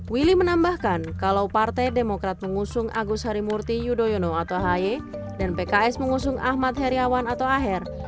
willy menambahkan kalau partai demokrat mengusung agus harimurti yudhoyono atau haye dan pks mengusung ahmad heriawan atau aher